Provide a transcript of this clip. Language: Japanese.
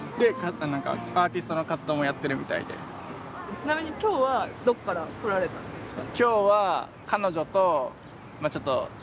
ちなみにきょうはどっから来られたんですか？